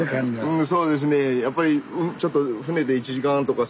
うんそうですね。